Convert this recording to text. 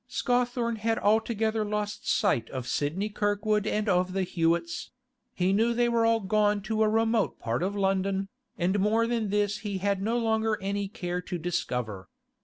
Scawthorne had altogether lost sight of Sidney Kirkwood and of the Hewetts; he knew they were all gone to a remote part of London, and more than this he had no longer any care to discover.